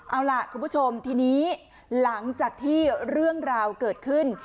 เอาล่ะคุณผู้ชมทีนี้หลังจากที่เรื่องราวเกิดขึ้น